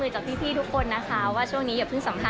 มีความสุขใจเป็นยังไงบ้าง